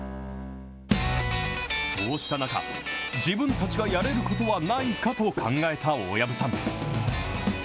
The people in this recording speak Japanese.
そうした中、自分たちがやれることはないかと考えた大藪さん。